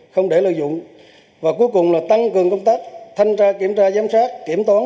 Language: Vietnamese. không để lợi dụng và cuối cùng là tăng cường công tác thanh tra kiểm tra giám sát kiểm toán